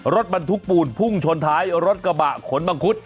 รถบรรทุกปูนพุ่งชนท้ายรถกระบะขนมังคุด